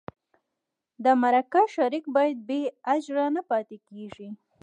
د مرکه شریک باید بې اجره نه پاتې کېږي.